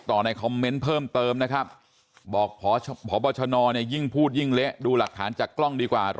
ในคอมเมนต์เพิ่มเติมนะครับบอกพบชนเนี่ยยิ่งพูดยิ่งเละดูหลักฐานจากกล้องดีกว่า